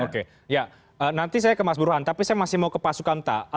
oke ya nanti saya ke mas buruhan tapi saya masih mau ke pak sukamta